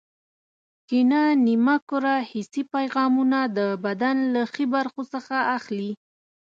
کیڼه نیمه کره حسي پیغامونه د بدن له ښي برخو څخه اخلي.